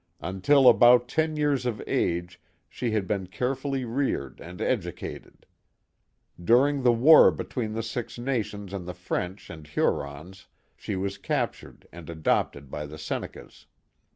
Until about ten years of age she had been carefully reared and educated. During the war between the Six Nations and the French and Hurons, she was captured and adopted by the Senecas.